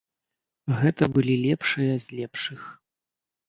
Гэта былі лепшыя з лепшых.